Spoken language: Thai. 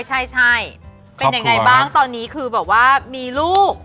ใช่เป็นยังไงบ้างตอนนี้คือแบบว่ามีลูก